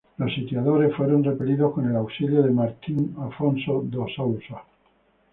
Los sitiadores fueron repelidos con el auxilio de Martim Afonso de Sousa.